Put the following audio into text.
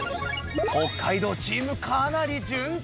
北海道チームかなり順調。